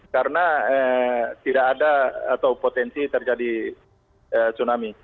karena tidak ada atau potensi terjadi tsunami